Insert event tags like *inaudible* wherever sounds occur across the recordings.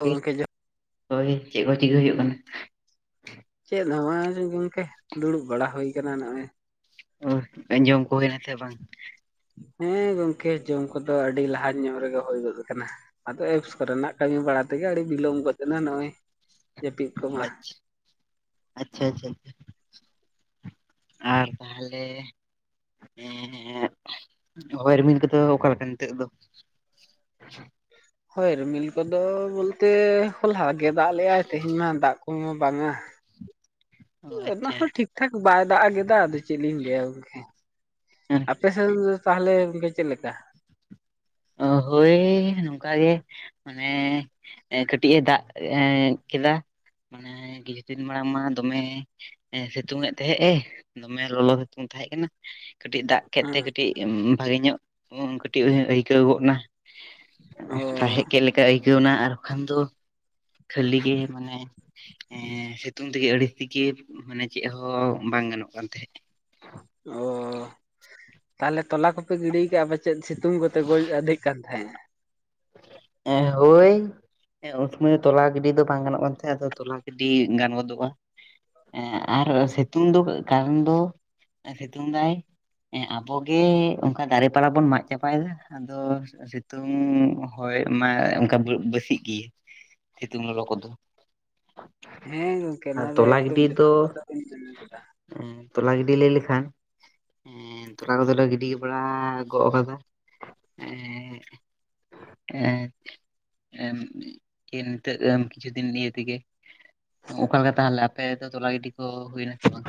ᱚ ᱜᱚᱝᱠᱮ ᱦᱳᱭ, ᱪᱮᱫ ᱠᱚ ᱪᱤᱠᱟᱹ ᱦᱩᱭᱩᱜ ᱠᱟᱱᱟ? ᱪᱮᱫ ᱦᱚᱸ ᱵᱟᱝ ᱜᱚᱝᱠᱮ, ᱫᱩᱲᱩᱵ ᱵᱟᱲᱟ ᱦᱩᱭ ᱟᱠᱟᱱᱟ ᱱᱚᱸᱜᱼᱚᱭ ᱾ ᱳᱦ, ᱡᱚᱢ ᱠᱚ ᱦᱩᱭᱮᱱᱟ ᱥᱮ ᱵᱟᱝ? ᱦᱮᱸ ᱜᱚᱝᱠᱮ ᱡᱚᱢ ᱠᱚᱫᱚ ᱟᱹᱰᱤ ᱞᱟᱦᱟ ᱧᱚᱜ ᱨᱮᱜᱮ ᱦᱳᱭ ᱜᱚᱫ ᱠᱟᱱᱟ᱾ ᱟᱫᱚ ᱮᱯᱥ ᱠᱚ ᱨᱮᱱᱟᱜ ᱠᱟᱹᱢᱤ ᱵᱟᱲᱟ ᱛᱮᱜᱮ ᱟᱹᱰᱤ ᱵᱤᱞᱚᱢ ᱜᱚᱫ ᱮᱱᱟ ᱱᱚᱸᱜᱼᱚᱭ ᱾ ᱟᱪ ᱟᱪᱪᱷᱟ ᱟᱪᱪᱷᱟ ᱟᱪᱪᱷᱟ᱾ ᱟᱨ ᱛᱟᱦᱞᱮ ᱮᱸᱻᱜ ᱦᱚᱭ ᱨᱤᱢᱤᱞ ᱠᱚᱫᱚ ᱚᱠᱟ ᱞᱮᱠᱟ ᱱᱤᱛᱳᱜ ᱫᱚ? ᱦᱚᱭ ᱨᱤᱢᱤᱞ ᱠᱚᱫᱚ ᱵᱳᱞᱛᱮ ᱦᱚᱞᱟ ᱜᱮ ᱫᱟᱜ ᱞᱮᱜᱼᱟᱭ ᱛᱮᱦᱮᱧ ᱢᱟ ᱫᱟᱜ ᱠᱚᱦᱚᱸ ᱵᱟᱝᱼᱟ, ᱚ ᱚᱱᱟ ᱟᱪᱪᱷᱟ ᱦᱚᱸ ᱴᱷᱤᱠ ᱴᱷᱟᱠ ᱵᱟᱭ ᱫᱟᱜ ᱮ ᱜᱮᱫᱟ, ᱟᱫᱚ ᱪᱮᱫ ᱞᱤᱧ ᱞᱟᱹᱭᱟ ᱜᱚᱝᱠᱮ᱾ ᱟᱯᱮᱥᱮᱫ *unintelligible* ᱛᱟᱦᱮᱞᱮ ᱜᱚᱝᱠᱮ ᱪᱮᱫ ᱞᱮᱠᱟ? ᱚ ᱦᱳᱭ ᱱᱚᱝᱠᱟ ᱜᱮ᱾ ᱚᱱᱮᱻᱦ ᱮᱸ ᱠᱟᱹᱴᱤᱡ ᱮ ᱫᱟᱜ ᱮᱸ ᱠᱮᱫᱟ᱾ ᱚᱱᱮ ᱠᱤᱪᱷᱩ ᱫᱤᱱ ᱢᱟᱲᱟᱝ ᱢᱟ ᱫᱚᱢᱮ ᱮᱸ ᱥᱤᱛᱩᱝ ᱮᱫ ᱛᱮᱦᱮᱸᱜ ᱮ, ᱫᱚᱢᱮ ᱞᱚᱞᱚ ᱥᱤᱛᱩᱝ ᱛᱟᱦᱮᱸ ᱠᱟᱱᱟ᱾ ᱠᱟᱹᱴᱤᱡ ᱫᱟᱜ ᱠᱮᱫ ᱛᱮ ᱦᱮᱸ ᱠᱟᱹᱴᱤᱜ ᱩᱸ ᱵᱷᱟᱹᱜᱤ ᱧᱚᱜ ᱩᱸ ᱠᱟᱹᱴᱤᱡ ᱩᱸ ᱟᱹᱭᱠᱟᱹᱣ ᱜᱚᱜ ᱮᱱᱟ᱾ ᱚ ᱮᱸᱦ ᱥᱟᱦᱮᱜ ᱠᱮᱫ ᱞᱮᱠᱟ ᱟᱹᱭᱠᱟᱹᱣ ᱮᱱᱟ ᱟᱨ ᱣᱟᱠᱷᱟᱱ ᱫᱚ ᱠᱷᱟᱹᱞᱤ ᱜᱮ ᱢᱟᱱᱮ ᱮᱸ ᱥᱤᱛᱩᱝ ᱛᱮᱜᱮ ᱟᱹᱲᱤ ᱥᱮᱜᱮ ᱢᱟᱱᱮ ᱪᱮᱜ ᱦᱚ ᱵᱟᱝ ᱜᱟᱱᱚᱜ ᱠᱟᱱ ᱛᱟᱦᱮᱸᱜ᱾ ᱚᱻ ᱛᱟᱦᱚᱞᱮ ᱛᱚᱞᱟ ᱠᱚᱯᱮ ᱜᱤᱰᱤ ᱠᱟᱜ-ᱟ ᱯᱟᱪᱮᱫ ᱥᱤᱛᱩᱝ ᱠᱚᱼ ᱛᱮ ᱜᱚᱡ ᱟᱹᱫᱷᱤᱜ ᱠᱟᱱ ᱛᱟᱦᱮᱸᱜᱼᱟ? ᱮᱸ ᱦᱳᱭ᱾ ᱦᱮᱸ ᱩᱱ ᱥᱳᱢᱟᱹᱭ ᱛᱚᱞᱟ ᱜᱤᱰᱤ ᱫᱚ ᱵᱟᱝ ᱜᱟᱱᱚᱜ ᱠᱟᱱ ᱛᱟᱦᱮᱸᱜᱼᱟ, ᱟᱫᱚ ᱛᱚᱞᱟ ᱜᱤᱰᱤ ᱜᱟᱱ ᱜᱚᱫᱚᱜ-ᱟ᱾ ᱮᱸ ᱟᱨᱚ ᱥᱤᱛᱩᱝ ᱫᱚ ᱠᱟᱨᱚᱱ ᱫᱚ ᱮᱸ ᱥᱤᱛᱩᱝ ᱮᱫᱟᱭᱼᱼ ᱮᱸ ᱟᱵᱚ ᱜᱮ ᱚᱸᱠᱟ ᱫᱟᱨᱮ ᱯᱟᱲᱟ ᱵᱚᱱ ᱢᱟᱜ ᱪᱟᱵᱟ ᱭᱮᱫᱟ, ᱟᱫᱚᱼᱚ ᱥᱤᱛᱩᱝᱼᱼ ᱦᱳᱭ ᱢᱟᱭ ᱚᱸᱠᱟ ᱵᱟᱹᱜ ᱵᱟᱹᱥᱤᱜ ᱜᱤ, ᱥᱤᱛᱩᱝ ᱞᱚᱞᱚ ᱠᱚᱫᱚ᱾ ᱦᱮᱸ ᱜᱚᱝᱠᱮ ᱟᱨ ᱱᱚᱶᱟ ᱫᱚ ᱮᱠᱫᱚᱢ ᱡᱚᱛᱷᱟᱛ ᱠᱟᱛᱷᱟ ᱵᱮᱱ ‌ ᱢᱮᱱ ᱟᱠᱟᱫᱟ᱾ ᱩᱸ ᱛᱚᱞᱟ ᱜᱤᱰᱤ ᱞᱟᱹᱭ ᱞᱮᱠᱷᱟᱱᱼᱼ ᱮᱸ ᱛᱚᱞᱟ ᱠᱚᱫᱚ ᱞᱮ ᱜᱤᱰᱤ ᱵᱟᱲᱟ ᱜᱚᱜ ᱟᱠᱟᱫᱟ ᱮᱸᱻᱜᱼᱼ ᱮᱸᱻ ᱮᱢ ᱪᱤᱱᱛᱟᱹᱜ ᱮᱢ‌ ᱠᱤᱪᱷᱩ ᱫᱤᱱ ᱤᱭᱟᱹ ᱛᱮᱜᱮ, ᱚᱠᱟ ᱞᱮᱠᱟ ᱛᱟᱦᱮᱞᱮ, ᱟᱯᱮ ᱫᱚ ᱛᱚᱞᱟ ᱜᱤᱰᱤ ᱠᱚ ᱦᱩᱭ ᱮᱱᱟ ᱥᱮ ᱵᱟᱝ?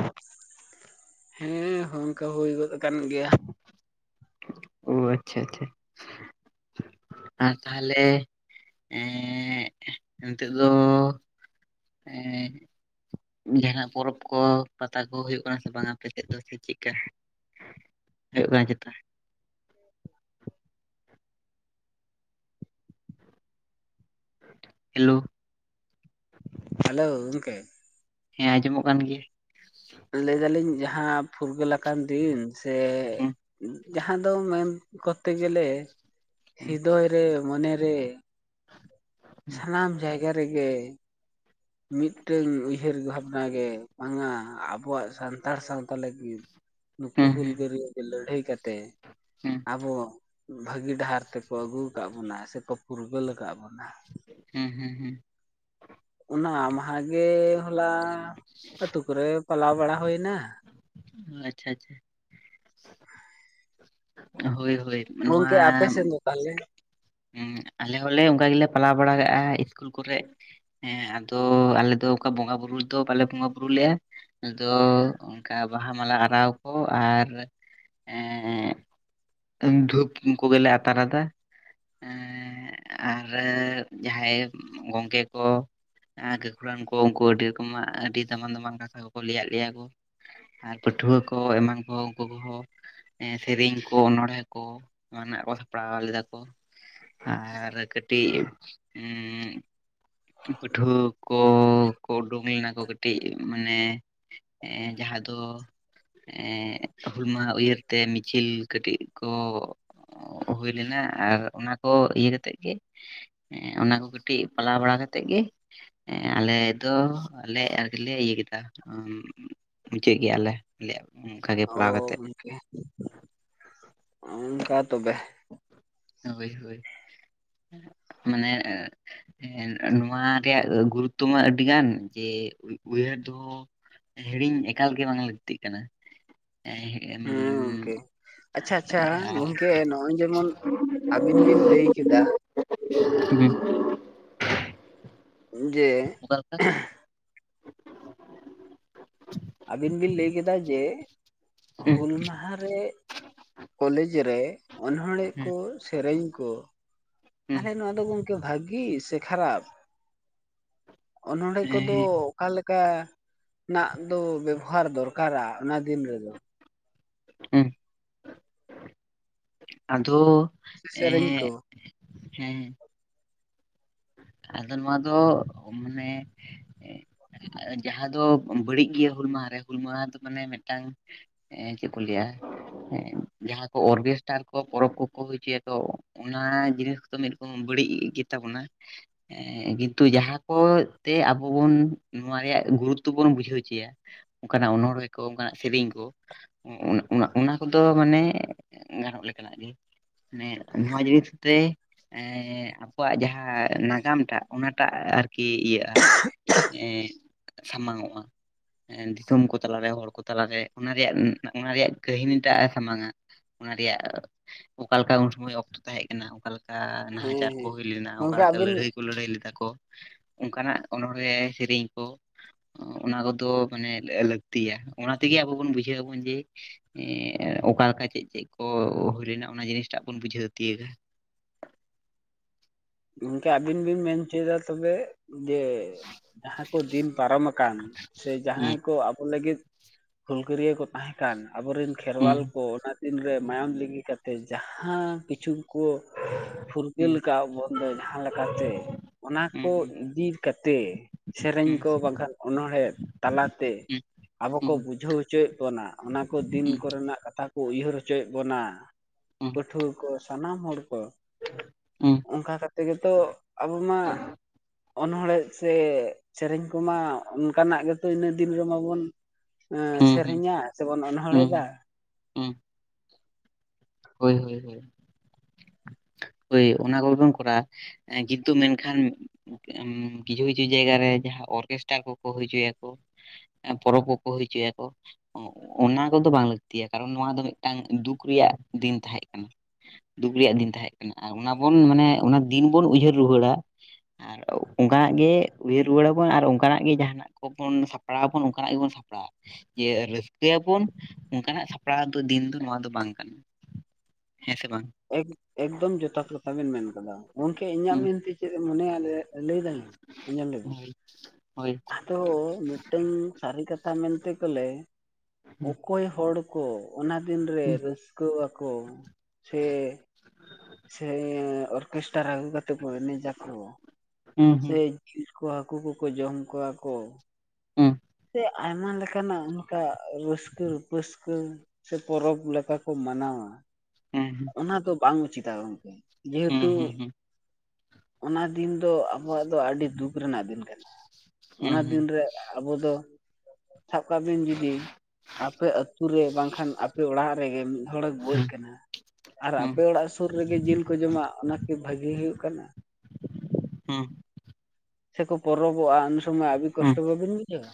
ᱦᱮᱸ, ᱦᱚᱸ ᱚᱸᱠᱟ ᱦᱩᱭ ᱜᱚᱫ ᱟᱠᱟᱱ ᱜᱮᱭᱟ᱾ ᱚ ᱟᱪᱪᱷᱟ ᱟᱪᱪᱷᱟ᱾ ᱟᱨ ᱛᱟᱦᱮᱞᱮ ᱮᱸᱻᱜ ᱱᱤᱛᱚᱜ ᱫᱚᱼᱼ ᱮᱸᱻᱦᱮᱸᱜ, ᱡᱟᱦᱟᱸᱱᱟᱜ ᱯᱚᱨᱚᱵᱽ ᱠᱚ ᱯᱟᱛᱟ ᱠᱚ ᱦᱩᱭᱩᱜ ᱠᱟᱱᱟ ᱥᱮ ᱵᱟᱝᱼᱟ, ᱟᱯᱮ ᱥᱮᱜ ᱫᱚ ᱥᱮ ᱪᱮ ᱪᱮᱜ ᱠᱟ? ᱦᱩᱭᱩᱜ ᱠᱟᱱᱟ ᱪᱮᱛᱟ? *inaudible* ᱦᱮᱞᱳ᱾ ᱦᱟᱞᱳ ᱜᱚᱝᱠᱮ? ᱦᱮᱸ ᱟᱸᱡᱚᱢᱚᱜ ᱠᱟᱱ ᱜᱮ᱾ ᱞᱟᱹᱭ ᱮᱫᱟ ᱞᱤᱧ ᱡᱟᱦᱟᱸ ᱯᱷᱩᱨᱜᱟᱹᱞ ᱟᱠᱟᱱ ᱫᱤᱱ ᱥᱮ, ᱦᱮᱸ ᱩᱸᱼᱼ ᱡᱟᱦᱟᱸ ᱫᱚ ᱢᱮᱱ ᱠᱚᱛᱮ ᱜᱮᱞᱮ ᱥᱤᱫᱚᱭ ᱨᱮ ᱢᱚᱱᱮ ᱨᱮᱼᱼ ᱦᱮᱸ ᱥᱟᱱᱟᱢ ᱡᱟᱭᱜᱟ ᱨᱮᱜᱮ ᱢᱤᱫᱴᱟᱹᱝ ᱩᱭᱦᱟᱹᱨᱜᱽ ᱵᱷᱟᱵᱽᱱᱟ ᱜᱮ ᱵᱟᱝᱼᱟ, ᱟᱵᱚᱣᱟᱜ ᱥᱟᱱᱛᱟᱲ ᱥᱟᱶᱛᱟ ᱞᱟᱹᱜᱤᱫᱼᱼ ᱱᱩᱠᱩ ᱦᱮᱸ ᱦᱮᱸ ᱦᱩᱞᱜᱟᱹᱨᱤᱭᱟᱹ ᱜᱮ ᱞᱟᱹᱲᱦᱟᱹᱭ ᱠᱟᱛᱮᱼᱼ ᱦᱮᱸ, ᱟᱵᱚ ᱵᱷᱟᱹᱜᱤ ᱰᱟᱦᱟᱨ ᱛᱮᱠᱚ ᱟᱹᱜᱩ ᱟᱠᱟᱜ ᱵᱚᱱᱟ ᱥᱮ ᱠᱚ ᱯᱷᱩᱨᱜᱟᱹᱞ ᱟᱠᱟᱜ ᱵᱚᱱᱟ᱾ ᱦᱩᱸ ᱦᱩᱸ ᱦᱩᱸ᱾ ᱚᱱᱟ ᱢᱟᱦᱟᱸ ᱜᱮ ᱦᱚᱞᱟ ᱟᱹᱛᱩ ᱠᱚᱨᱮ ᱯᱟᱞᱟᱣ ᱵᱟᱲᱟ ᱦᱩᱭ ᱮᱱᱟ᱾ ᱟᱪᱪᱷᱟ ᱟᱪᱪᱷᱟ, *unintelligible* ᱦᱳᱭ ᱦᱳᱭ᱾ ᱜᱚᱝᱠᱮ ᱟᱯᱮ ᱥᱮᱱ ᱫᱚ ᱛᱟᱦᱮᱞᱮ? ᱦᱩᱸ ᱟᱞᱮ ᱦᱚᱞᱮ ᱚᱸᱠᱟ ᱜᱮᱞᱮ ᱯᱟᱞᱟᱣ ᱵᱟᱲᱟ ᱠᱟᱜ-ᱟ ᱤᱥᱠᱩᱞ ᱠᱚᱨᱮᱜ᱾ ᱦᱮᱸ ᱟᱫᱚ ᱟᱞᱮ ᱫᱚ ᱚᱠᱟ ᱵᱚᱸᱜᱟ ᱵᱩᱨᱩᱭ ᱫᱚ ᱵᱟᱞᱮ ᱵᱚᱸᱜᱟ ᱵᱩᱨᱩ ᱞᱮᱜ-ᱟ᱾ ᱟᱫᱚ ᱚᱸᱠᱟ ᱵᱟᱦᱟ ᱢᱟᱞᱟ ᱟᱨᱟᱣ ᱠᱚ ᱟᱨᱼᱼ ᱮᱸᱜ ᱫᱷᱩᱯ ᱠᱚᱜᱮ ᱞᱮ ᱟᱛᱟᱨ ᱟᱫᱟ᱾ *unintelligible* ᱮᱸ ᱟᱨ ᱮ ᱡᱟᱦᱟᱸᱭ ᱜᱚᱝᱠᱮ ᱠᱚ ᱟᱨ ᱜᱟᱹᱠᱷᱩᱲᱟᱱ ᱠᱚ ᱩᱱᱠᱩ ᱟᱹᱰᱤ ᱨᱚᱠᱚᱢᱟᱜ ᱟᱹᱰᱤ ᱫᱟᱢᱟᱱ ᱫᱟᱢᱟᱱ ᱠᱟᱛᱷᱟ ᱠᱚᱠᱚ ᱞᱟᱹᱭᱟᱜ ᱞᱮᱭᱟ ᱠᱚ᱾ ᱟᱨ ᱯᱟᱹᱴᱷᱩᱣᱟᱹ ᱠᱚ ᱮᱢᱟᱱ ᱠᱚ ᱩᱱᱠᱩ ᱠᱚᱦᱚᱸ ᱮᱸ ᱥᱮᱨᱮᱧ ᱠᱚ ᱚᱱᱚᱬᱦᱮᱸ ᱠᱚ ᱚᱱᱟ ᱱᱟᱜ ᱠᱚ ᱥᱟᱯᱲᱟᱣ ᱞᱮᱫᱟ ᱠᱚ᱾ ᱟᱨ ᱠᱟᱹᱴᱤᱡ ᱯᱟᱹᱴᱷᱩᱣᱟᱹ ᱠᱚ ᱠᱚ ᱚᱰᱚᱝ ᱞᱮᱱᱟ ᱠᱚ ᱠᱟᱹᱴᱤᱡ ᱢᱟᱱᱮ ᱮᱸ ᱡᱟᱦᱟᱸ ᱫᱚ ᱮᱸᱜ ᱦᱩᱞ ᱢᱟᱦᱟᱸ ᱩᱭᱦᱟᱹᱨ ᱛᱮ ᱢᱤᱪᱷᱤᱞ ᱠᱟᱹᱴᱤᱡ ᱠᱚ ᱚᱸᱜ ᱦᱩᱭ ᱞᱮᱱᱟ ᱟᱨ ᱚᱱᱟ ᱠᱚ ᱤᱭᱟᱹ ᱠᱟᱛᱮᱜ ᱜᱮ ᱮᱸᱜ ᱚᱱᱟ ᱠᱚ ᱠᱟᱹᱴᱤᱡ ᱯᱟᱞᱟᱣ ᱵᱟᱲᱟ ᱠᱟ- ᱛᱮᱜ ᱜᱮ ᱮᱸᱜ ᱟᱞᱮ ᱫᱚ ᱟᱞᱮ ᱟᱨ ᱟᱞᱮ ᱟᱨ ᱠᱤᱞᱮ ᱤᱭᱟᱹ ᱠᱮᱫᱟ᱾ ᱴᱷᱤᱠ ᱜᱮᱭᱟ ᱞᱮ ᱟᱞᱮᱭᱟᱜ ᱚᱱᱠᱟ ᱜᱮ ᱚ *unintelligible* ᱠᱟᱛᱮᱫ᱾ ᱜᱚᱝᱠᱮ ᱚᱱᱠᱟ ᱛᱚᱵᱮ᱾ ᱦᱳᱭ ᱦᱳᱭ ᱢᱟᱱᱮ ᱦᱮᱸ ᱱᱚᱣᱟ ᱨᱮᱭᱟᱜ ᱜᱩᱨᱩᱛᱛᱚ ᱢᱟ ᱟᱹᱰᱤ ᱜᱟᱱ ᱡᱮ ᱩᱭᱦᱟᱹᱨ ᱫᱚ ᱦᱚ ᱦᱤᱲᱤᱧ ᱮᱠᱟᱞ ᱜᱮ ᱵᱟᱝ ᱞᱟᱹᱠᱛᱤᱜ ᱠᱟᱱᱟ᱾ ᱦᱮᱸ ᱜᱚᱝᱠᱮ ᱟᱪᱪᱷᱟ ᱟᱪᱪᱷᱟ ᱜᱚᱝᱠᱮ ᱱᱚᱜ-ᱚᱭ ᱡᱮᱢᱚᱱ ᱟᱹᱵᱤᱱ ᱵᱤᱱ ᱞᱟᱹᱭ ᱠᱮᱫᱟ᱾ *unintelligible* ᱡᱮ ᱚᱠᱟ ᱞᱮᱠᱟ ᱟᱹᱵᱤᱱ ᱵᱤᱱ ᱞᱟᱹᱭ ᱠᱮᱫᱟ ᱡᱮ ᱦᱩᱸ ᱦᱩᱞ ᱢᱟᱦᱟᱸ ᱨᱮ ᱠᱚᱞᱮᱡᱽ ᱨᱮ ᱚᱱᱚᱬᱦᱮ ᱦᱩᱸ ᱠᱚ ᱥᱮᱨᱮᱧ ᱠᱚ ᱦᱩᱸ ᱛᱟᱦᱚᱞᱮ ᱱᱚᱣᱟ ᱫᱚ ᱜᱚᱝᱠᱮ ᱵᱷᱟᱜᱤ ᱥᱮ ᱠᱷᱟᱨᱟᱯ? ᱚᱱᱚᱬᱦᱮ ᱠᱚᱫᱚ ᱦᱮᱸ ᱚᱠᱟ ᱞᱮᱠᱟ ᱱᱟᱜ ᱫᱚ ᱵᱮᱵᱚᱦᱟᱨ ᱫᱚᱨᱠᱟᱨᱟ ᱚᱱᱟ ᱫᱤᱱ ᱨᱮᱫᱚ᱾ ᱦᱩᱸ ᱟᱫᱚ ᱥᱮ ᱥᱮᱨᱮᱧ ᱮᱸᱜ ᱠᱚ ᱦᱮᱸ ᱟᱫᱚ ᱱᱚᱣᱟ ᱫᱚ ᱢᱟᱱᱮ ᱡᱟᱦᱟᱸ ᱫᱚ ᱵᱟᱹᱲᱤᱡ ᱜᱮᱭᱟ ᱦᱩᱞ ᱢᱟᱦᱟ ᱨᱮ ᱦᱩᱞ ᱢᱟᱦᱟ ᱫᱚ ᱢᱟᱱᱮ ᱢᱮᱫ ᱴᱟᱝ ᱮᱸ ᱪᱮᱫ ᱠᱚ ᱞᱟᱹᱭᱟ᱾ ᱡᱟᱦᱟᱸ ᱠᱚ ᱚᱨᱜᱮᱥ ᱴᱟᱨ ᱠᱚ ᱯᱚᱨᱚᱵᱽ ᱠᱚ ᱠᱚ ᱦᱳᱭ ᱦᱚᱪᱚ ᱭᱟ ᱠᱚ ᱚᱱᱮ ᱚᱱᱟ ᱡᱤᱱᱤᱥ ᱠᱚ ᱢᱤᱫ ᱨᱚᱠᱚᱢ ᱵᱟᱹᱲᱤᱡ ᱜᱮᱛᱟ ᱵᱚᱱᱟ ᱮ ᱠᱤᱱᱛᱩ ᱡᱟᱦᱟᱸ ᱠᱚ ᱛᱮ ᱟᱵᱚ ᱵᱚᱱ ᱱᱚᱣᱟ ᱨᱮᱭᱟᱜ ᱜᱩᱨᱩᱛᱛᱚ ᱵᱚᱱ ᱵᱩᱡᱷᱟᱹᱣ ᱦᱚᱪᱚᱭᱟ᱾ ᱚᱱᱠᱟ ᱱᱟᱜ ᱚᱱᱚᱬᱦᱮ ᱠᱚ ᱚᱱᱠᱟ ᱱᱟᱜ ᱥᱮᱨᱮᱧ ᱠᱚ᱾ ᱚᱱᱟ ᱚᱱᱟ ᱠᱚᱫᱚ ᱢᱟᱱᱮ ᱜᱟᱱᱚᱜ ᱞᱮᱠᱟ ᱱᱟᱜ ᱜᱮ᱾ ᱢᱟᱱᱮ ᱱᱚᱣᱟ ᱡᱤᱱᱤᱥ ᱛᱮ ᱮ ᱟᱠᱚᱣᱟᱜ ᱡᱟᱦᱟᱸ ᱱᱟᱜᱟᱢ ᱴᱟᱜ ᱚᱱᱟ ᱴᱟᱜ ᱟᱨᱠᱤ ᱤᱭᱟᱹᱜ-ᱟ ᱥᱟᱢᱟᱝ ᱚᱜ-ᱟ᱾ ᱫᱤᱥᱚᱢ ᱠᱚ ᱛᱟᱞᱟ ᱨᱮ ᱦᱚᱲ ᱠᱚ ᱛᱟᱞᱟ ᱨᱮ ᱚᱱᱟ ᱨᱮᱭᱟᱜ ᱚᱱᱟ ᱨᱮᱭᱟᱜ ᱠᱟᱹᱦᱤᱱᱤ ᱴᱟᱜ ᱮ ᱥᱟᱢᱟᱝ-ᱟ᱾ ᱚᱱᱟ ᱨᱮᱭᱟᱜ ᱚᱠᱟ ᱞᱮᱠᱟ ᱩᱱ ᱥᱚᱢᱚᱭ ᱚᱠᱛᱚ ᱛᱟᱦᱮᱸ ᱠᱟᱱᱟ ᱚᱠᱟ ᱞᱮᱠᱟ ᱮ ᱦᱮᱸ ᱱᱟᱦᱟᱪᱟᱨ ᱠᱚ ᱦᱮᱸ ᱦᱩᱭ ᱞᱮᱱᱟ ᱚᱠᱟ ᱜᱚᱝᱠᱮ ᱚᱠᱟᱨᱮ ᱟᱹᱵᱤᱱ ᱠᱚ ᱞᱟᱹᱲᱦᱟᱹᱭ ᱞᱮᱫᱟ ᱠᱚ ᱚᱱᱠᱟ ᱱᱟᱜ ᱚᱱᱚᱬᱦᱮ, ᱥᱮᱨᱮᱧ ᱠᱚ ᱚᱱᱟ ᱠᱚᱫᱚ ᱢᱟᱱᱮ ᱞᱟᱹᱠᱛᱤᱭᱟ ᱚᱱᱟ ᱛᱮ ᱜᱮ ᱟᱵᱚ ᱵᱚᱱ ᱵᱩᱡᱷᱟᱹ ᱟᱵᱚᱱ ᱡᱮ ᱮ ᱚᱠᱟ ᱚᱠᱟ ᱪᱮᱫ ᱪᱮᱫ ᱠᱚ ᱦᱩᱭ ᱞᱮᱱᱟ ᱚᱱᱟ ᱡᱤᱱᱤᱥ ᱴᱟᱜ ᱵᱚᱱ ᱵᱩᱡᱷᱟᱹᱣ ᱛᱤᱭᱳᱜ-ᱟ᱾ ᱜᱚᱝᱠᱮ ᱟᱵᱤᱱ ᱵᱤᱱ ᱢᱮᱱ ᱦᱚᱪᱚᱭ ᱫᱟ ᱛᱚᱵᱮ ᱡᱮ ᱡᱟᱦᱟᱸ ᱠᱚ ᱫᱤᱱ ᱯᱟᱨᱚᱢ ᱟᱠᱟᱱ ᱥᱮ ᱦᱩᱸ ᱡᱟᱦᱟᱸᱭ ᱠᱚ ᱟᱵᱚ ᱞᱟᱹᱜᱤᱫ ᱦᱩᱞ ᱜᱟᱹᱨᱭᱟᱹ ᱠᱚ ᱛᱟᱦᱮᱸ ᱠᱟᱱ ᱟᱵᱚ ᱨᱮᱱ ᱦᱩᱸ ᱠᱷᱮᱨᱣᱟᱞ ᱠᱚ ᱫᱤᱱ ᱨᱮ ᱢᱟᱭᱟᱢ ᱞᱤᱜᱤ ᱠᱟᱛᱮ ᱡᱟᱦᱟᱸ ᱠᱤᱪᱷᱩ ᱠᱚ ᱦᱩᱸ ᱯᱷᱩᱨᱜᱟᱹᱞ ᱟᱠᱟᱫ ᱵᱚᱱ ᱫᱚ ᱡᱟᱦᱟᱸ ᱞᱮᱠᱟ ᱛᱮ ᱚᱱᱟ ᱠᱚ ᱦᱩᱸ ᱫᱤ ᱠᱟᱛᱮᱜ ᱥᱮᱨᱮᱧ ᱦᱩᱸ ᱠᱚ ᱵᱟᱝ ᱠᱷᱟᱱ ᱚᱱᱚᱲᱦᱮ ᱛᱟᱞᱟ ᱛᱮ ᱦᱩᱸ ᱟᱵᱚ ᱠᱚ ᱦᱩᱸ ᱵᱩᱡᱷᱟᱹᱣ ᱦᱚᱪᱚ ᱭᱮᱫ ᱵᱚᱱᱟ ᱚᱱᱟ ᱠᱚ ᱫᱤᱱ ᱠᱚᱨᱮ ᱱᱟᱜ ᱠᱟᱛᱷᱟ ᱠᱚ ᱩᱭᱦᱟᱹᱨ ᱦᱚᱪᱚᱭ ᱮᱫ ᱵᱚᱱᱟ᱾ ᱦᱩᱸ ᱯᱟᱹᱴᱷᱩᱣᱟᱹ ᱠᱚ ᱥᱟᱱᱟᱢ ᱦᱚᱲ ᱠᱚ᱾ *unintelligible* ᱚᱱᱠᱟ ᱠᱟᱛᱮᱜ ᱜᱮ ᱛᱚ ᱟᱵᱚ ᱢᱟ ᱚᱱᱚᱲ ᱦᱮ ᱥᱮ ᱥᱮᱨᱮᱧ ᱠᱚ ᱢᱟ ᱚᱱᱠᱟ ᱱᱟᱜ ᱜᱮ ᱛᱚ ᱤᱱᱟᱹᱜ ᱫᱤᱱ ᱵᱚᱱ ᱦᱩᱸ ᱦᱩᱸ ᱥᱮᱨᱮᱧᱟ ᱥᱮᱵᱚᱱ ᱦᱩᱸ *unintelligible* ᱦᱩᱸ ᱦᱳᱭ, ᱦᱳᱭ, ᱦᱳᱭ᱾ ᱦᱳᱭ ᱚᱱᱟ ᱠᱚ ᱜᱮ ᱵᱚᱱ ᱠᱚᱨᱟᱣᱼᱟ, *unintelligible* ᱢᱮᱱ ᱠᱷᱟᱱ ᱠᱤᱪᱷᱩ ᱠᱤᱪᱷᱩ ᱡᱟᱭᱜᱟ ᱨᱮ ᱡᱟᱦᱟᱸ ᱚᱨᱠᱮᱥᱴᱟᱨ ᱠᱚ ᱠᱚ ᱦᱩᱭ ᱦᱚᱭᱪᱚ ᱭᱟᱠᱚ ᱯᱚᱨᱚᱵᱽ ᱠᱚ ᱠᱚ ᱦᱳᱭ ᱦᱚᱭᱪᱚ ᱭᱟᱠᱚ᱾ ᱚᱱᱟ ᱠᱚᱫᱚ ᱵᱟᱝ ᱞᱟᱹᱠᱛᱤᱭᱟ ᱠᱟᱨᱚᱱ ᱱᱚᱶᱟ ᱫᱚ ᱢᱤᱫ ᱴᱟᱝ ᱫᱩᱠ ᱨᱮᱭᱟᱜ ᱫᱤᱱ ᱛᱟᱦᱮᱸᱜ ᱠᱟᱱᱟ᱾ ᱫᱩᱠ ᱨᱮᱭᱟᱜ ᱫᱤᱱ ᱛᱟᱦᱮᱸᱜ ᱠᱟᱱᱟ ᱟᱨ ᱚᱱᱟ ᱵᱚᱱ ᱢᱟᱱᱮ ᱚᱱᱟ ᱫᱤᱱ ᱵᱚᱱ ᱩᱭᱦᱟᱹᱨ ᱨᱩᱣᱟᱹᱲᱟ᱾ ᱟᱨ ᱚᱱᱠᱟ ᱱᱟᱜ ᱜᱮ ᱩᱭᱦᱟᱹᱨ ᱨᱩᱣᱟᱹᱲ ᱟᱵᱚᱱ ᱟᱨ ᱚᱱᱠᱟ ᱱᱟᱜ ᱜᱮ ᱡᱟᱦᱟᱸ ᱱᱟᱜ ᱠᱚᱯᱚᱱ ᱥᱟᱯᱲᱟᱣ ᱟᱵᱚᱱ ᱚᱱᱠᱟ ᱱᱟᱜ ᱜᱮᱵᱚᱱ ᱥᱟᱯᱲᱟᱜ ᱾ ᱡᱮ ᱨᱟᱹᱥᱠᱟᱹ ᱭᱟᱵᱚᱱ ᱚᱱᱠᱟ ᱱᱟᱜ ᱥᱟᱯᱲᱟᱣ ᱫᱚ ᱫᱤᱱ ᱫᱚ ᱱᱚᱣᱟ ᱫᱚ ᱵᱟᱝ ᱠᱟᱱᱟ ᱾ ᱦᱮᱸ ᱥᱮ ᱵᱟᱝ? ᱮᱠ ᱮᱠᱫᱚᱢ ᱡᱚᱛᱷᱟ ᱠᱟᱛᱷᱟ ᱵᱮᱱ ᱢᱮᱱ ᱠᱟᱫᱟ, ᱜᱚᱝᱠᱮ ᱤᱧᱟᱹᱜ ᱦᱩᱸ ᱢᱮᱱᱛᱮ ᱪᱮᱫ ᱢᱚᱱᱮᱭᱟ ᱞᱟᱹᱭᱟ-ᱞᱟᱹᱭ *unintelligible* ᱾ ᱟᱸᱡᱚᱢ *unintelligible* ᱾ ᱦᱳᱭ ᱦᱳᱭ ᱟᱫᱚ ᱢᱤᱫ ᱴᱮᱝ ᱥᱟᱹᱨᱤ ᱠᱟᱛᱷᱟ ᱢᱮᱱᱛᱮ ᱜᱮᱞᱮ ᱦᱩᱸ ᱚᱠᱚᱭ ᱦᱚᱲ ᱠᱚ ᱚᱱᱟ ᱫᱤᱱ ᱨᱮ ᱦᱩᱸ ᱨᱟᱹᱥᱠᱟᱹ ᱣᱟᱠᱚ ᱥᱮ ᱥᱮ ᱚᱨᱠᱮᱥᱴᱟᱨ ᱟᱹᱜᱩ ᱠᱟᱛᱮ ᱠᱚ ᱮᱱᱮᱡ ᱟᱠᱚ ᱥᱮ ᱦᱩᱸ ᱡᱤᱞ ᱠᱚ ᱦᱟᱹᱠᱩ ᱠᱚᱠᱚ ᱡᱚᱢ ᱠᱚᱣᱟ ᱠᱚ *unintelligible* ᱥᱮ ᱟᱭᱢᱟ ᱞᱮᱠᱟᱱᱟᱜ ᱚᱱᱠᱟ ᱨᱟᱹᱥᱠᱟᱹ ᱯᱟᱹᱥᱠᱟᱹ ᱾ ᱥᱮ ᱯᱚᱨᱚᱵᱽ ᱞᱮᱠᱟ ᱠᱚ ᱢᱟᱱᱟᱣᱟ ᱾ ᱦᱮᱸ, ‌ᱦᱮᱸ᱾ ᱚᱱᱟ ᱫᱚ ᱵᱟᱝ ᱩᱪᱤᱛᱟ ᱜᱚᱢᱠᱮ ᱡᱮᱦᱮᱛᱩ ᱦᱩᱸ ᱦᱩᱸ ᱚᱱᱟ ᱫᱤᱱ ᱫᱚ ᱟᱵᱚᱣᱟᱜ ᱫᱚ ᱟᱹᱰᱤ ᱫᱩᱠ ᱨᱮᱱᱟᱜ ᱫᱤᱱ ᱠᱟᱱᱟ ᱾ ᱦᱩᱸ ᱚᱱᱟ ᱦᱩᱸ ᱫᱤᱱ ᱨᱮ ᱟᱵᱚ ᱫᱚ ᱥᱟᱵ ᱠᱟᱜ ᱵᱤᱱ ᱡᱩᱫᱤ ᱟᱯᱮ ᱟᱹᱛᱩ *unintelligible* ᱵᱟᱝᱠᱷᱟᱱ ᱟᱯᱮ ᱚᱲᱟᱜ ᱨᱮᱜᱮ ᱢᱤᱫ ᱦᱚᱲᱮ ᱜᱚᱡ ᱠᱟᱱᱟ ᱾ ᱟᱨ ᱦᱩᱸ ᱦᱩᱸ ᱟᱯᱮ ᱚᱲᱟᱜ ᱥᱳᱨ ᱨᱮᱜᱮ ᱡᱤᱞ ᱠᱚ ᱡᱚᱢᱟ ᱚᱱᱟᱠᱤ ᱵᱷᱟᱜᱤ ᱦᱳᱭᱳᱜ ᱠᱟᱱᱟ? ᱦᱩᱸ᱾ ᱥᱮᱠᱚ ᱯᱚᱨᱚᱵᱚᱜᱼᱟ ᱩᱱ ᱥᱚᱢᱚᱭ *unintelligible* ᱦᱩᱸ ᱠᱚᱥᱴᱚ ᱵᱟᱵᱤᱱ ᱵᱩᱡᱷᱟᱹᱣᱟ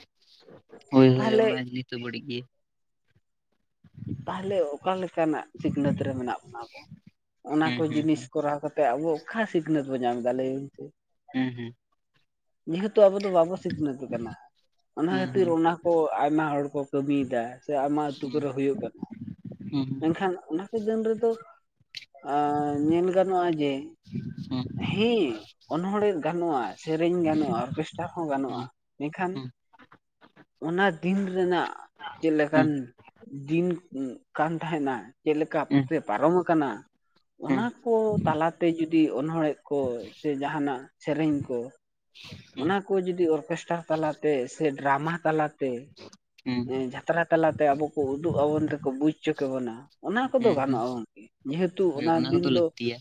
ᱛᱟᱦᱟᱞᱮ ᱱᱤᱛ *unintelligible* ᱛᱟᱦᱟᱞᱮ ᱚᱠᱟ ᱞᱮᱠᱟ ᱱᱟᱜ ᱥᱤᱠᱷᱱᱟᱹᱛ ᱨᱮ ᱢᱮᱱᱟᱜ ᱵᱚᱱᱟ ᱟᱵᱚ ᱚᱱᱟ ᱦᱩᱸ ᱠᱚ ᱦᱩᱸ ᱡᱤᱱᱤᱥ ᱦᱩᱸ ᱠᱚᱨᱟᱣ ᱠᱟᱛ ᱛᱮ ᱟᱵᱳ ᱚᱠᱟ ᱥᱤᱠᱷᱱᱟᱹᱛ ᱵᱚ ᱧᱟᱢ ᱫᱟ ᱞᱟᱹᱭ ᱵᱤᱱ ᱥᱮ᱾ ᱦᱩᱸ, ‌ᱦᱩᱸ᱾ ᱡᱮᱦᱮᱛᱩ ᱟᱵᱚ ᱫᱚ ᱵᱟᱵᱚ ᱥᱤᱠᱷᱱᱟᱹᱛ ᱠᱟᱱᱟ ᱾ ᱚᱱᱟ ᱦᱩᱸ ᱠᱷᱟᱹᱛᱤᱨ ᱦᱩᱸ ᱦᱩᱸ ᱚᱱᱟ ᱠᱚ ᱟᱭᱢᱟ ᱦᱚᱲ ᱠᱚ ᱠᱟᱢᱤᱭ ᱫᱟ, ᱥᱮ ᱟᱭᱢᱟ ᱟᱹᱛᱩ ᱠᱚᱨᱮ ᱦᱳᱭᱳᱜᱼᱟ᱾ *unintelligible* ᱠᱷᱟᱱ, ᱚᱱᱟ ᱵᱤᱫᱟ. ᱞ ᱨᱮᱫᱚ ᱧᱮᱞ ᱜᱟᱱᱚᱜᱼᱟ ᱡᱮ ᱦᱩᱸ ᱾ ᱦᱮᱸ ᱚᱱᱚᱬᱦᱮᱸ ᱜᱟᱱᱚᱜᱼᱟ, ᱥᱮᱨᱮᱧ ᱜᱟᱱᱚᱜᱼᱟ, ᱚᱨᱠᱮᱥᱴᱟᱨ ᱦᱚᱸ ᱜᱟᱱᱚᱜᱼᱟ, ᱦᱩᱸ ᱢᱮᱠᱷᱟᱱ ᱦᱩᱸ ᱦᱩᱸ ᱚᱱᱟ ᱫᱤᱱ ᱨᱮᱱᱟᱜ, ᱪᱮᱫ ᱞᱮᱠᱟᱱ ᱫᱤᱱ ᱠᱟᱱ ᱛᱟᱦᱮᱱᱟ, ᱪᱮᱜ ᱞᱮᱠᱟ ᱦᱩᱸ ᱛᱮ ᱯᱟᱨᱚᱢ ᱟᱠᱟᱱᱟ, ᱚᱱᱟ ᱠᱚ ᱛᱟᱞᱟᱛᱮ ᱡᱩᱫᱤ ᱰᱤ ᱚᱱᱚᱬᱦᱮ ᱠᱚ, ᱥᱮ ᱡᱟᱦᱟᱱᱟᱜ ᱥᱮᱨᱮᱧ ᱠᱚ ᱾ ᱚᱱᱟ ᱠᱚ ᱡᱩᱫᱤ ᱚᱨᱠᱮᱥᱴᱟᱨ ᱛᱟᱞᱟᱛᱮ ᱥᱮ ᱰᱨᱟᱢᱟ ᱛᱟᱞᱟ ᱛᱮ ᱮᱸ ᱡᱷᱟ ᱾ ᱡᱟᱛᱨᱟ ᱛᱟᱞᱟᱛᱮ ᱟᱵᱚ ᱠᱚ ᱩᱫᱩᱜ ᱟᱵᱚᱱ ᱛᱮᱠᱚ ᱵᱩᱡ ᱚᱪᱚ ᱠᱮ ᱵᱚᱱᱟ ᱾ ᱚᱱᱟ ᱠᱚᱫᱚ ᱦᱩᱸ ᱦᱩᱸ ᱜᱟᱱᱚᱜᱼᱟ ᱜᱚᱝᱠᱮ, ᱡᱮᱦᱮᱛᱩ ᱦᱳᱭ ᱚᱱᱟ ᱫᱤᱱ ᱠᱚᱫᱚ ᱫᱚ ᱞᱟᱹᱠᱛᱤᱭᱟ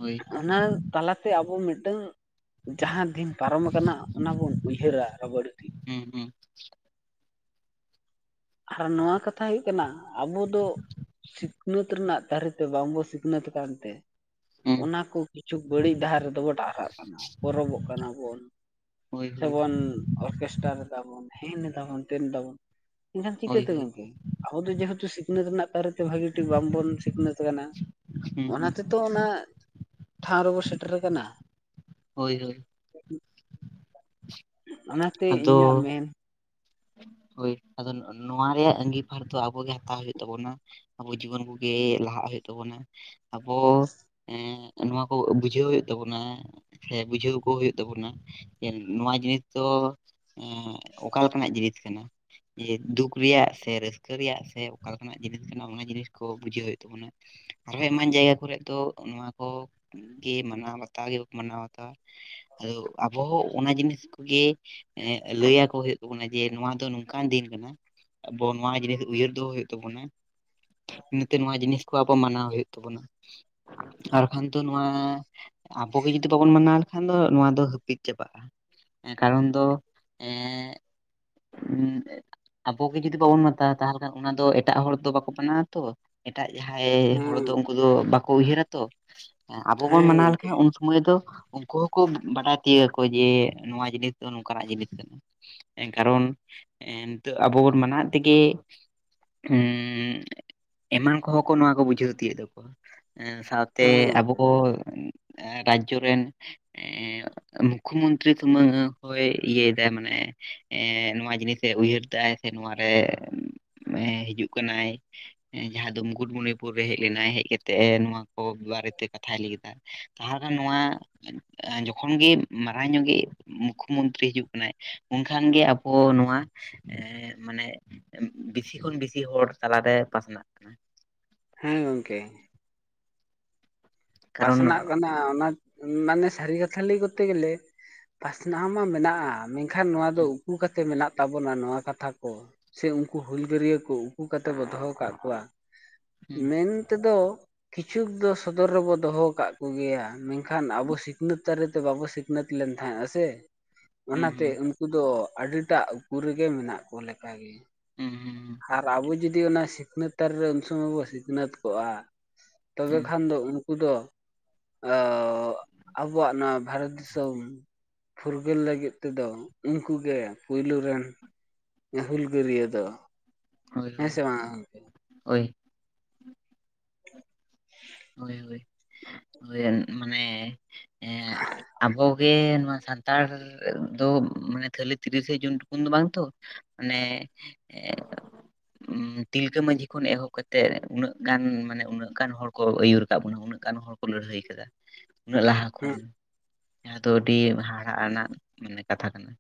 ᱦᱳᱭ ᱚᱱᱟ ᱛᱟᱞᱟ ᱛᱮ ᱟᱵᱚ ᱢᱤᱫᱴᱟᱝ ᱡᱟᱸᱦᱟᱸ ᱫᱤᱱ ᱯᱟᱨᱚᱢ ᱟᱠᱟᱱᱟ ᱚᱱᱟ ᱵᱚᱱ ᱩᱭᱦᱟᱹᱨᱟ *unintelligible* ᱦᱩᱸ ᱦᱩᱸ ᱟᱨ ᱱᱚᱶᱟ ᱠᱟᱛᱷᱟ ᱦᱩᱭᱩᱜ ᱠᱟᱱᱟ ᱟᱵᱚ ᱫᱚ ᱥᱤᱠᱷᱱᱟᱹᱛ ᱨᱮᱱᱟᱜ ᱫᱟᱨᱮ ᱛᱮ ᱵᱟᱝ ᱵᱚ ᱥᱤᱠᱷᱱᱟᱹᱛ ᱟᱠᱟᱱ ᱛᱮ ᱦᱩᱸ ᱚᱱᱟ ᱠᱚ ᱠᱤᱪᱷᱩ ᱵᱟᱹᱲᱤᱡ ᱰᱟᱦᱟᱨ ᱨᱮᱫᱚ ᱵᱚᱱ ᱰᱟᱦᱨᱟᱜ ᱠᱟᱱᱟ, ᱯᱚᱨᱚᱵᱚᱜ ᱠᱟᱱᱟ ᱵᱚᱱ ᱾ ᱦᱳᱭ ᱦᱳᱭ ᱥᱮᱵᱚᱱ ᱚᱨᱠᱮᱥᱴᱟᱨ ᱮᱫᱟ ᱵᱚᱱ ᱦᱮᱱ ᱫᱟᱵᱚᱱ ᱛᱮᱱ ᱫᱟᱵᱚᱱ ᱾ ᱮᱱᱠᱷᱟᱱ ᱦᱳᱭ ᱪᱤᱠᱟᱹᱛᱮ ᱦᱳᱭ ᱜᱚᱝᱠᱮ, ᱟᱵᱚ ᱫᱚ ᱡᱮᱦᱮᱛᱩ ᱥᱤᱠ ᱥᱤᱠᱷᱱᱟᱹᱛ ᱨᱮᱱᱟᱜ ᱛᱟᱨᱮᱛᱮ ᱵᱷᱟᱹᱜᱤ ᱴᱷᱤᱠ ᱵᱟᱝ ᱵᱚᱱ ᱥᱤᱠᱷᱱᱟᱹᱛ ᱠᱟᱱᱟ᱾ ᱦᱩᱸ ᱚᱱᱟ ᱦᱩᱸ ᱛᱮᱛᱚ ᱚᱱᱟ ᱴᱷᱟᱶ ᱨᱮᱵᱚ ᱥᱮᱴᱮᱨ ᱟᱠᱟᱱᱟ᱾ ᱦᱳᱭ ᱦᱳᱭ ᱚᱱᱟᱛᱮ ᱟᱫᱚ ᱤᱧᱟᱹᱜ ᱢᱮᱱ ᱦᱳᱭ, ᱟᱫᱚ ᱱᱚᱣᱟ ᱨᱮᱭᱟᱜ ᱟᱜᱤᱵᱷᱟᱨ ᱫᱚ ᱟᱵᱚ ᱜᱮ ᱦᱟᱛᱟᱣ ᱦᱳᱭᱳᱜ ᱛᱟᱵᱚᱱᱟ ᱾ ᱟᱵᱚ ᱡᱩᱣᱟ. ᱱ ᱠᱚᱜᱮ ᱞᱟᱦᱟᱜ ᱦᱳᱭᱳᱜ ᱛᱟᱵᱚᱱᱟ ᱟᱵᱚ, ᱮᱸ ᱾ ᱱᱚᱣᱟ ᱠᱚ ᱵᱩᱡᱷᱟᱹᱣ ᱦᱳᱭᱳᱜ ᱛᱟᱵᱚᱱᱟ ᱥᱮ ᱵᱩᱡᱷᱟᱹᱣ ᱠᱚ ᱦᱳᱭᱳᱜ ᱛᱟᱵᱚᱱᱟ ᱾ ᱡᱮ ᱱᱚᱣᱟ ᱡᱤᱱᱤᱥ ᱫᱚ ᱮᱸ ᱚᱠᱟ ᱞᱮᱠᱟᱱᱟᱜ ᱡᱤᱱᱤᱥ ᱠᱟᱱᱟ᱾ ᱡᱮ ᱫᱩᱠ ᱨᱮᱭᱟᱜ ᱥᱮ ᱨᱟᱹᱥᱠᱟᱹ ᱨᱮᱭᱟᱜ ᱥᱮ ᱚᱠᱟᱞᱮᱠᱟᱱᱟᱜ ᱡᱤᱱᱤᱥ ᱠᱟᱱᱟ ᱚᱱᱟ ᱡᱤᱱᱤᱥ ᱠᱚ ᱵᱩᱡᱷᱟᱹᱣ ᱦᱩᱭᱩᱜ ᱛᱟᱵᱚᱱᱟ᱾ ᱟᱨᱦᱚᱸ ᱮᱢᱟᱱ ᱡᱟᱭᱜᱟ ᱠᱚᱨᱮᱜ ᱫᱚ ᱱᱚᱣᱟ ᱠᱚ ᱜᱮ ᱢᱟᱱᱟᱣ ᱵᱟᱛᱟᱣ ᱜᱮ ᱵᱟᱠᱚ ᱢᱟᱱᱟᱣ ᱵᱟᱛᱟᱣᱟ, ᱟᱫᱚ ᱟᱵᱚ ᱚᱱᱟ ᱡᱤᱱᱤᱥ ᱠᱚᱜᱮ ᱞᱟᱹᱭ ᱟᱠᱚ ᱦᱩᱭᱩᱜ ᱛᱟᱵᱚᱱᱟ ᱡᱮ ᱱᱚᱣᱟ ᱫᱚ ᱱᱚᱝᱠᱟᱱ ᱫᱤᱱ ᱠᱟᱱᱟ᱾ ᱟᱵᱚ ᱱᱚᱣᱟ ᱡᱤᱱᱤᱥ ᱩᱭᱦᱟᱹᱨ ᱫᱚᱦᱚ ᱦᱩᱭᱩᱜ ᱛᱟᱵᱚᱱᱟ᱾ ᱤᱱᱟᱹ ᱛᱮ ᱱᱚᱣᱟ ᱡᱤᱱᱤᱥ ᱠᱚ ᱟᱵᱚ ᱢᱟᱱᱟᱣ ᱦᱩᱭᱩᱜ ᱛᱟᱵᱚᱱᱟ, ᱟᱨᱠᱷᱟᱱ ᱫᱚ ᱱᱚᱣᱟ ᱟᱵᱚᱜᱮ ᱡᱩᱫᱤ ᱵᱟᱵᱚᱱ ᱢᱟᱱᱟᱣ ᱞᱮᱠᱷᱟᱱ ᱫᱚ ᱱᱚᱣᱟ ᱫᱚ ᱦᱟᱹᱯᱤᱫ ᱪᱟᱵᱟᱜᱼᱟ᱾ ᱦᱮᱸ ᱠᱟᱨᱚᱱ ᱫᱚ, ᱮ ᱩᱸ ᱟᱵᱚᱜᱮ ᱡᱩᱫᱤ ᱵᱟᱵᱚᱱ ᱢᱟᱛᱟᱣᱟ ᱛᱟᱦᱞᱮ ᱠᱷᱟᱱ ᱚᱱᱟ ᱫᱚ ᱮᱴᱟᱜ ᱦᱚᱲ ᱫᱚ ᱵᱟᱠᱚ ᱢᱟᱱᱟᱣᱟ ᱛᱚ᱾ ᱮᱴᱟᱜ ᱡᱟᱸᱦᱟᱸᱭ ᱦᱚᱲ ᱦᱮᱸ ᱫᱚ ᱩᱱᱠᱩ ᱫᱚ ᱵᱟᱠᱚ ᱩᱭᱦᱟᱹᱨᱟ ᱛᱚ, ᱟᱵᱚ ᱵᱚᱱ ᱦᱮᱸ ᱢᱟᱱᱟᱣ ᱜᱚᱝᱠᱮ ᱞᱮᱠᱷᱟᱱ ᱩᱱ ᱢᱚᱭ ᱫᱚ ᱩᱱᱠᱩ ᱦᱚᱸᱠᱚ ᱵᱟᱰᱟᱭ ᱛᱤᱭᱟᱜᱟ ᱡᱮ ᱱᱚᱣᱟ ᱡᱤᱱᱤᱥ ᱫᱚ ᱱᱚᱝᱠᱟᱱᱟᱜ ᱡᱤᱱᱤᱥ ᱠᱟᱱᱟ᱾ ᱮᱱ ᱠᱟᱨᱚᱱ, ᱮ ᱱᱤᱛᱚᱜ ᱟᱵᱚ ᱵᱚᱱ ᱢᱟᱱᱟᱣᱮᱫ ᱛᱮᱜᱮ ᱮᱸ ᱮᱢᱟᱱ ᱠᱚᱦᱚᱸ ᱠᱚ ᱱᱚᱣᱟ ᱠᱚ ᱵᱩᱡᱷᱟᱹᱣ ᱛᱤᱭᱟᱹᱜ ᱮᱫᱟᱠᱚ ᱾ᱥᱟᱶ ᱛᱮ ᱦᱮᱸ ᱟᱵᱚ ᱠᱚ ᱨᱟᱡᱽᱡᱚ ᱨᱮᱱ ᱮᱸ ᱢᱩᱠᱷᱚᱢᱚᱱᱛ ᱛᱨᱤ ᱥᱩᱢᱟᱝ ᱦᱚᱭ ᱤᱭᱟ. ᱭ ᱮᱫᱟᱭ ᱢᱟᱱᱮ ᱮ ᱱᱚᱣᱟ ᱡᱤᱱᱤᱥ ᱮ ᱩᱭᱦᱟᱹᱨᱮᱫᱟᱭ ᱥᱮ ᱱᱚᱣᱟᱨᱮ ᱮ ᱦᱤᱡᱩᱜ ᱠᱟᱱᱟᱭ᱾ ᱡᱟᱸᱦᱟᱸ ᱫᱚ ᱢᱩᱜᱩᱴᱢᱩᱱᱤᱯᱩᱨ ᱨᱮ ᱦᱮᱡ ᱞᱮᱱᱟᱭ, ᱦᱮᱡ ᱠᱟᱛᱮᱜ ᱱᱚᱣᱟ ᱠᱚ ᱵᱟᱨᱮᱛᱮ ᱠᱟᱛᱷᱟᱭ ᱞᱟᱹᱭ ᱠᱮᱫᱟ᱾ ᱛᱟᱦᱮ ᱠᱷᱟᱱ ᱱᱚᱣᱟ ᱡᱚᱠᱷᱚᱱ ᱜᱮ *unintelligible* ᱧᱚᱜᱮ ᱢᱩᱠᱷᱚ ᱢᱚᱱᱛᱨᱤ ᱦᱤᱡᱩᱜ ᱠᱟᱱᱟᱭ, ᱮᱱᱠᱷᱟᱱ ᱜᱮ ᱟᱵᱚ ᱱᱚᱣᱟ ᱮᱸ ᱢᱟᱱᱮ ᱵᱤᱥᱤ ᱠᱷᱚᱱ ᱵᱤᱥᱤ ᱦᱚᱲ ᱛᱟᱞᱟᱨᱮ ᱯᱟᱥᱱᱟᱜ ᱠᱟᱱᱟ᱾ ᱦᱮᱸ ᱜᱚᱝᱠᱮ᱾ ᱠᱟᱨᱚᱱ ᱯᱟᱥᱱᱟᱜ ᱠᱟᱱᱟ ᱚᱱᱟ ᱢᱟᱱᱮ ᱥᱟᱹᱨᱤ ᱠᱟᱛᱷᱟ ᱞᱟᱹᱭ ᱠᱚᱨᱛᱮ ᱜᱮᱞᱮ ᱯᱟᱥᱱᱟᱣ ᱢᱟ ᱢᱮᱱᱟᱜᱼᱟ ᱢᱮ- ᱠᱷᱟᱱ ᱱᱚᱣᱟ ᱫᱚ ᱦᱩᱸ ᱩᱠᱩ ᱠᱟᱛᱮ ᱢᱮᱱᱟᱜ ᱛᱟᱵᱚᱱᱟ ᱱᱚᱣᱟ ᱠᱟᱛᱷᱟ ᱠᱚ ᱥᱮ ᱩᱱᱠᱩ ᱦᱩᱞᱜᱟᱹᱨᱭᱟᱹ ᱠᱚ ᱩᱠᱩ ᱠᱟᱛᱮ ᱵᱚ ᱫᱚᱦᱚ ᱟᱠᱟᱫ ᱠᱚᱣᱟ᱾ ᱦᱩᱸ ᱢᱮᱱ ᱛᱮᱫᱚ ᱠᱤᱪᱷᱩᱠ ᱫᱚ ᱥᱚᱫᱚᱨ ᱨᱮᱵᱚ ᱫᱚᱦᱚ ᱠᱟᱜ ᱠᱚᱜᱮᱭᱟ ᱢᱮᱱ ᱠᱷᱟᱱ ᱟᱵᱚ ᱥᱤᱠᱱᱟᱹᱛ ᱫᱟᱨᱮᱛᱮ ᱵᱟᱵᱚ ᱥᱤᱠᱱᱟᱹᱛ ᱞᱮᱱ ᱛᱟᱦᱮᱸ ᱟᱥᱮ ᱦᱩᱸ ᱚᱱᱟᱛᱮ ᱩᱱ ᱩᱱᱠᱩ ᱫᱚ ᱟᱹᱰᱤᱴᱟᱜ ᱩᱠᱩ ᱨᱮᱜᱮ ᱢᱮᱱᱟᱜ ᱠᱚ ᱞᱮᱠᱟᱜᱮ ᱩᱸ ᱦᱩᱸ ᱟᱨ ᱟᱵᱚ ᱡᱩᱫᱤ ᱚᱱᱟ ᱥᱤᱠᱱᱟᱹᱛ ᱛᱟᱨᱮ ᱩᱱ ᱥᱚᱢᱚᱭ ᱵᱚ ᱥᱤᱠᱱᱟᱹᱛ ᱠᱚᱜᱼᱟ ᱛᱚᱵᱮ ᱦᱩᱸ ᱠᱷᱟᱱ ᱫᱚ ᱩᱱ ᱠᱩ ᱫᱚ ᱳ ᱟᱵᱚᱣᱟᱜ ᱱᱚᱣᱟ ᱵᱷᱟᱨᱚᱛ ᱫᱤᱥᱚᱢ ᱯᱷᱩᱨᱜᱟᱹᱞ ᱞᱟᱹᱜᱤᱫ ᱛᱮᱫᱚ ᱩᱱᱠᱩ ᱜᱮ ᱯᱩᱭᱞᱩ ᱨᱮᱱ ᱦᱩᱞᱜᱟᱹᱨᱤᱭᱟᱹ ᱫᱳ ᱦᱳᱭ ᱦᱳᱭ ᱦᱳᱭ *inaudible* ᱦᱳᱭ ᱦᱳᱭ ᱦᱳᱭ ᱢᱟᱱᱮ ᱮᱸ ᱟᱵᱚ ᱨᱮ ᱱᱚᱣᱟ ᱥᱟᱱᱛᱟᱲ ᱫᱚ ᱢᱟᱱᱮ ᱠᱷᱟᱞᱤ ᱛᱤᱨᱤᱥᱮ ᱡᱩᱱ ᱴᱩᱠᱩᱱ ᱫᱚ ᱵᱟᱝ ᱛᱳ ᱚᱱᱮ *unintelligible* ᱛᱤᱞᱠᱟᱹ ᱢᱟᱺᱡᱷᱤ ᱠᱷᱚᱱ ᱮᱦᱚᱵ ᱠᱟᱛᱮᱜ ᱩᱱᱟᱹᱜ ᱜᱟᱱ ᱢᱟᱱᱮ ᱩᱱᱟᱹᱜ ᱜᱟᱱ ᱦᱚᱲ ᱠᱚ ᱟᱹᱭᱩᱨ ᱟᱠᱟᱜ ᱵᱚᱱᱟ ᱩᱱᱟᱹᱜ ᱜᱟᱱ ᱦᱚᱲ ᱠᱚ ᱞᱟᱹᱲᱦᱟᱹᱭ ᱟᱠᱟᱫᱟ ᱩᱱᱟᱹᱜ ᱞᱟᱦᱟ ᱠᱷᱚᱱ ᱡᱟᱦᱟᱸ ᱫᱚ ᱟᱹᱰᱤ ᱦᱟᱦᱟᱲᱟᱜ ᱟᱱᱟᱜ ᱢᱟᱱᱮ ᱠᱟᱛᱷᱟ ᱠᱟᱱᱟ